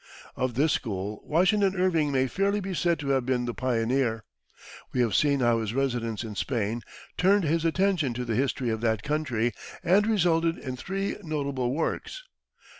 Of this school, Washington Irving may fairly be said to have been the pioneer. We have seen how his residence in Spain turned his attention to the history of that country and resulted in three notable works.